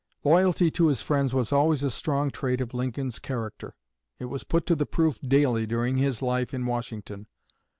Loyalty to his friends was always a strong trait of Lincoln's character. It was put to the proof daily during his life in Washington.